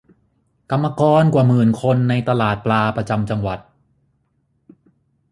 กรรมกรกว่าหมื่นคนในตลาดปลาประจำจังหวัด